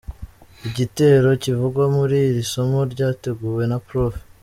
Igitero kivugwa muri iri somo ryateguwe na Prof.